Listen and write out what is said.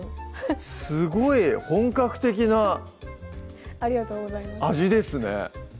すごい本格的なありがとうございます味ですね